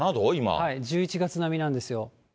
１１月並みなんですよ。